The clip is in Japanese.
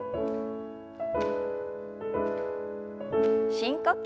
深呼吸。